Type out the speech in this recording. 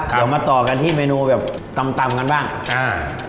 เดี๋ยวมาต่อกันที่เมนูแบบตำตำกันบ้างอ่า